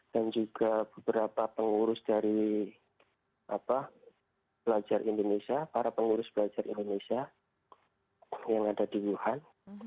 dan juga beberapa pengurus dari pelajar indonesia para pengurus pelajar indonesia yang ada di wuhan